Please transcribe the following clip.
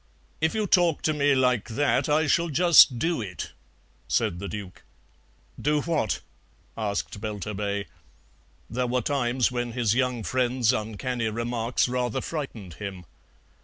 "If you talk to me like that I shall just DO it," said the Duke. "Do what?" asked Belturbet. There were times when his young friend's uncanny remarks rather frightened him.